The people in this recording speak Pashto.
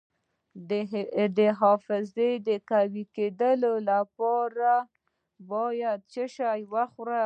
د حافظې د قوي کیدو لپاره باید څه شی وخورم؟